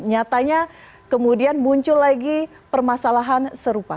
nyatanya kemudian muncul lagi permasalahan serupa